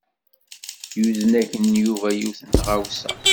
Yuzen-ak-n Yuba kra n tɣawsa.